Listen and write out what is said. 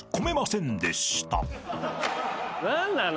何なの？